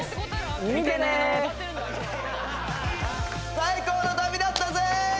最高の旅だったぜ！